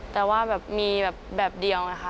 แต่ว่าแบบมีแบบเดียวนะคะ